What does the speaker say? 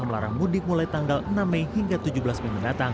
melarang mudik mulai tanggal enam mei hingga tujuh belas mei mendatang